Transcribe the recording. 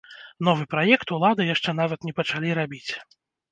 Новы праект улады яшчэ нават не пачалі рабіць.